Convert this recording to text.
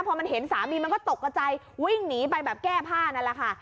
พอมันเห็นสามีมันก็ตกกระใจวิ่งหนีไปแบบแก้ผ้านั่นแหละค่ะ